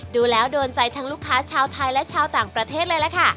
ดูแล้วโดนใจทั้งลูกค้าชาวไทยและชาวต่างประเทศเลยล่ะค่ะ